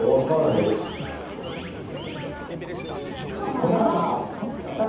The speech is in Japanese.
小堺さん！